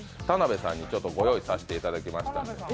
田辺さんにご用意させていただきました。